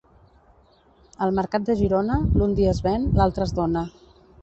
El mercat de Girona, l'un dia es ven, l'altre es dóna.